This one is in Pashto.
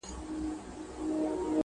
بس همدغه لېونتوب یې وو ښودلی!!